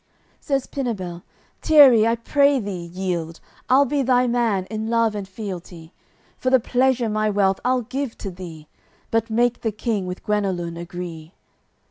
CCLXXXIII Says Pinabel "Tierri, I pray thee, yield: I'll be thy man, in love and fealty; For the pleasure my wealth I'll give to thee; But make the King with Guenelun agree."